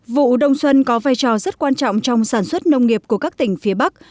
vụ đông xuân có vai trò rất quan trọng trong sản xuất nông nghiệp của các tỉnh phía bắc